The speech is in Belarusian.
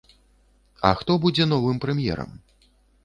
А хто будзе новым прэм'ерам?